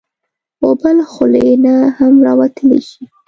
اوبه له خولې نه هم راوتلی شي.